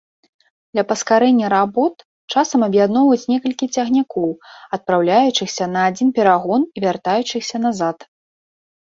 Для паскарэння работ часам аб'ядноўваюць некалькі цягнікоў, адпраўляючыхся на адзін перагон і вяртаючыхся назад.